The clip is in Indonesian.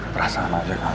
perasaan aja kali